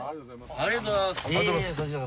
ありがとうございます。